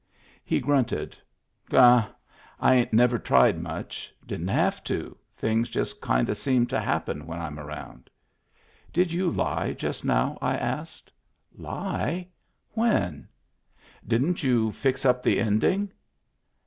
He grunted. " Huh ! I ain't never tried much. Didn't have to. Things just kind o' seem to happen when I'm around." " Did you lie just now ?" I asked. "Lie? When?" " Didn't you fix up the ending